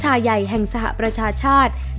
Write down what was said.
จุดที่๓รวมภาพธนบัตรที่ระลึกรัชกาลที่๙